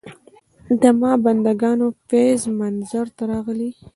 د ما بندګانو فیض منظر ته راغی.